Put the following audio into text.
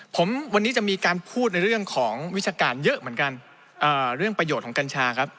ผมวันนี้จะมีการพูดในเรื่องของวิชาการเยอะเหมือนกันเรื่องประโยชน์ของกัญชาครับ